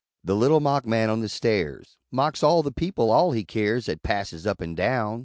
The Little Mock man on the Stairs Mocks all the peoples all he cares 'At passes up an' down!